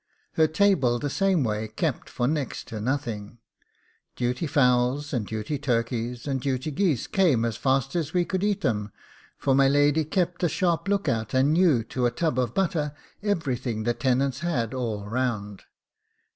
Her table the same way, kept for next to nothing; duty fowls, and duty turkeys, and duty geese, came as fast as we could eat 'em, for my lady kept a sharp lookout, and knew to a tub of butter everything the tenants had, all round.